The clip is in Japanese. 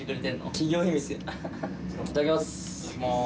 いただきます。